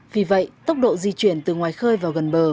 vì vậy tốc độ di chuyển từ ngoài khơi vào gần bờ